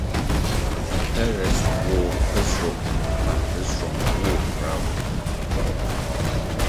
In this competition everyone wins regardless of which school collects the most food donations.